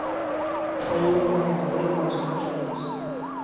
Saíu el tamén e outro rapaz sumouse a eles.